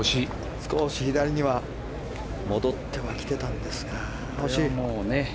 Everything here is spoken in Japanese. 少し左には戻っては来ていたんですが惜しい。